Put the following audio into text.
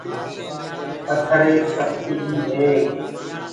پٿر ايڪ سکت چيٚج هي۔